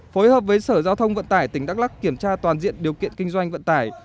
phối hợp với sở giao thông vận tải tỉnh đắk lắc kiểm tra toàn diện điều kiện kinh doanh vận tải